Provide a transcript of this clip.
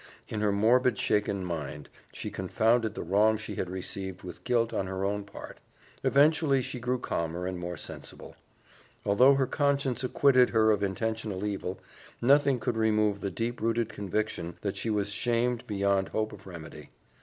In her morbid, shaken mind she confounded the wrong she had received with guilt on her own part. Eventually, she grew calmer and more sensible. Although her conscience acquitted her of intentional evil, nothing could remove the deep rooted conviction that she was shamed beyond hope of remedy.